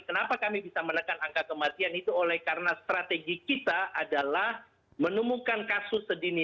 kenapa kami bisa menekan angka kematian itu oleh karena strategi kita adalah menemukan kasus sedini